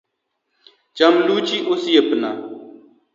Cham luchi osiepna.